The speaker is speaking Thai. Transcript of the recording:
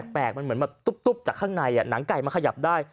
แปลกมันเหมือนแบบตุ๊บจากข้างในหนังไก่มาขยับได้